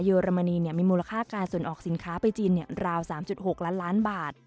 อรมนีมีมูลค่าการส่งออกสินค้าไปจีนราว๓๖ล้านล้านบาท